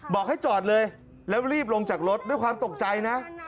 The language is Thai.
บอกให้จอดเลยแล้วรีบลงจากรถด้วยความตกใจนะ